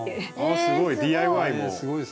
あすごいＤＩＹ。